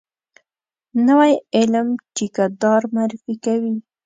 نوی علم ټیکه دار معرفي کوي.